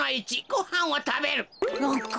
ごはんをたべる。